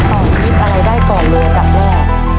ต่อชีวิตอะไรได้ก่อนเลยกับแม่